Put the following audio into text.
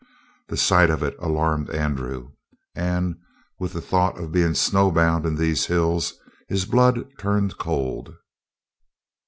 The sight of it alarmed Andrew, and, with the thought of being snow bound in these hills, his blood turned cold.